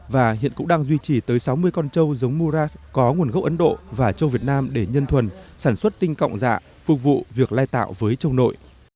và hiện cũng đang duy trì tới sáu mươi con trâu giống moras có nguồn gốc ấn độ và trâu việt nam để nhân thuần sản xuất tinh cộng dạ phục vụ việc lai tạo với châu nội